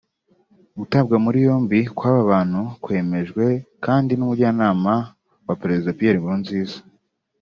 Gutabwa muri yombi kw’aba bantu kwemejwe kandi n’Umujyanama wa Perezida Pierre Nkurunziza